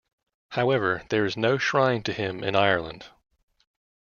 However, there is no shrine to him in Ireland.